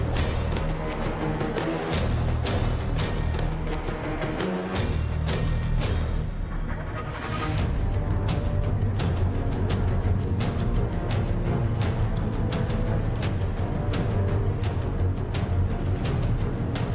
จับให้ฟังทันที